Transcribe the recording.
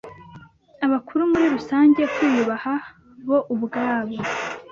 abakuru muri rusange, kwiyubaha bo ubwabo,